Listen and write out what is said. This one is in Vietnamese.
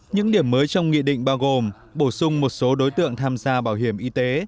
những điểm mới trong nghị định bao gồm bổ sung một số đối tượng tham gia bảo hiểm y tế